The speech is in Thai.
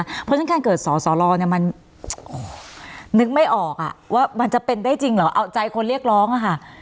เพราะฉะนั้นการเกิดสอสอรอเนี่ยมันนึกไม่ออกว่ามันจะเป็นได้จริงเหรอเอาใจคนเรียกร้องอะค่ะ